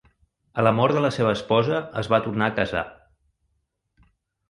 A la mort de la seva esposa es va tornar a casar.